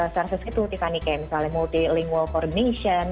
service itu tiba tiba nih kayak misalnya multilingual coordination